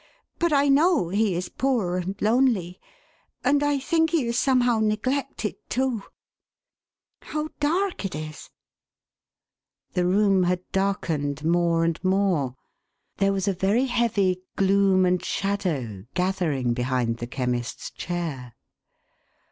But I know he is poor, and lonely, and I think he is somehow neglected too. — How dark it is !" The room had darkened more and more. There was a very heavy gloom and shadow gathering behind the Chemist's chair.